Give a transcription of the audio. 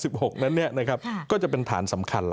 ซึ่งมาตรา๖๖นั้นก็จะเป็นฐานสำคัญ